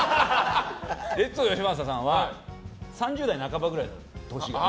レッツゴーよしまささんは３０代半ばぐらい、年が。